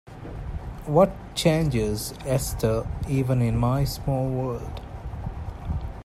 What changes, Esther, even in my small world!